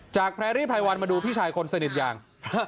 แพรรี่ไพรวันมาดูพี่ชายคนสนิทอย่าง